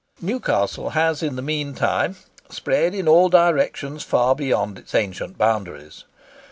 Newcastle has in the mean time spread in all directions far beyond its ancient boundaries.